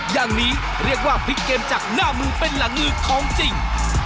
อย่างนี้เรียกว่าพลิกเกมจากหน้ามือเป็นหลังมือของจริง